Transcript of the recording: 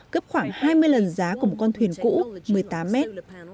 cấp khoảng hai mươi lần giá của một con thuyền cũ một mươi tám mét